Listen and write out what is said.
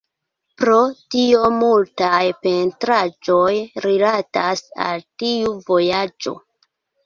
Pro tio multaj pentraĵoj rilatas al tiu vojaĝo.